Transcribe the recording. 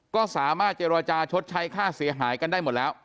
ก็สามารถเจรจาชดใช้ค่าเสียหายกันได้หมดแล้ว